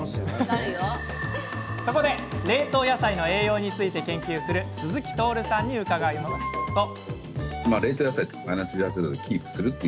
そこで冷凍野菜の栄養について研究する鈴木徹さんに伺うと。